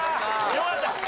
よかった。